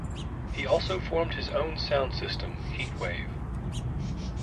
He also formed his own sound system Heatwave.